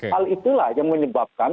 hal itulah yang menyebabkan